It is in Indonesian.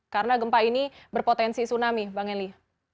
karena gempa ini berpotensi tsunami bang eli